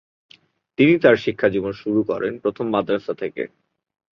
তিনি তার শিক্ষাজীবন শুরু করেন প্রথম মাদ্রাসা থেকে।